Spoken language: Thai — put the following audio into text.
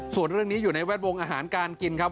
ส่วนเรื่องนี้อยู่ในแวดวงอาหารการกินครับ